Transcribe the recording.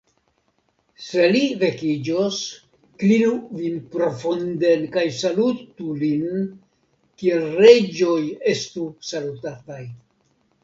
Se li vekiĝos, klinu vin profunden, kaj salutu lin, kiel reĝoj estu salutataj!